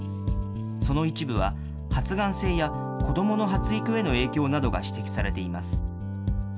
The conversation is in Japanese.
その一部は、発がん性や子どもの発育への影響などが指摘されています。